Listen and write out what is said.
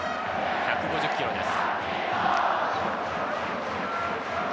１５０キロです。